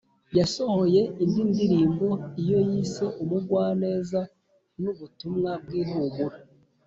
yasohoye indi ndirimbo iyo yise umugwaneza u’butumwa bw’ihumure